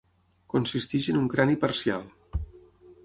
Consisteix en un crani parcial.